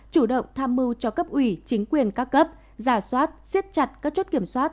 chủ động tham mưu cho cấp ủy chính quyền các cấp giả soát xiết chặt các chốt kiểm soát